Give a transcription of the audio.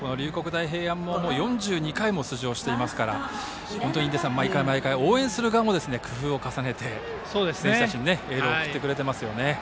大平安も４２回も出場していますから印出さん、毎回応援する側も工夫を重ねて選手たちにエールを送ってくれていますね。